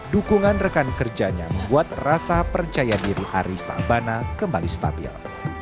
dukungan rekan kerjanya membuat rasa percaya diri aris salbana kembali stabil